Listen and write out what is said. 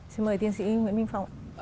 xin mời tiến sĩ nguyễn minh phong